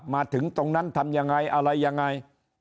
มาถึงตรงนั้นทำยังไงอะไรยังไง